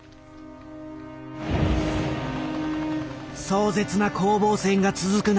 壮絶な攻防戦が続く